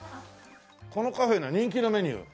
このカフェの人気のメニュー。